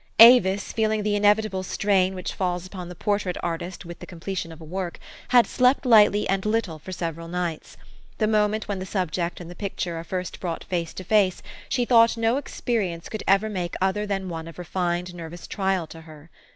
Avis, feeling the inevitable strain which falls upon the portrait artist with the completion of a work, had slept lightly and little for several nights. The moment when the subject and the picture are first brought face to face, she thought no experience could ever make other than one of refined nervous trial to her.